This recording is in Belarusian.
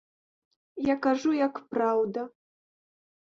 Я кажу, як праўда.